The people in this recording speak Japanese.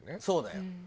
そうだよ。